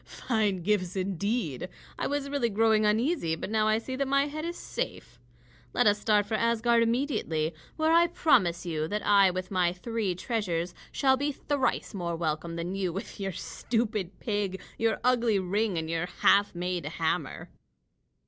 Fine gifts, indeed! I was really growing uneasy, but now I see that my head is safe. Let us start for Asgard immediately, where I promise you that I with my three treasures shall be thrice more welcome than you with your stupid pig, your ugly ring, and your half made hammer."